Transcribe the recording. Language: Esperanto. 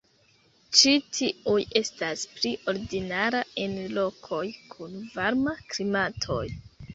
Ĉi tiuj estas pli ordinara en lokoj kun varma klimatoj.